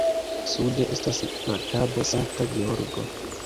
Sude estas la Kabo Sankta Georgo.